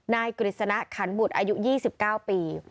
นายกุฤษณะคันบุตรอายุ๒๙ปี